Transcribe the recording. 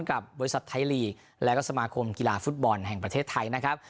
กับบริษัทไทยลีกแล้วก็สมาคมกีฬาฟุตบอลแห่งประเทศไทยนะครับ